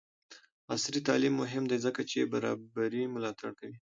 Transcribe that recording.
عصري تعلیم مهم دی ځکه چې برابري ملاتړ کوي.